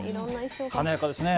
華やかですね。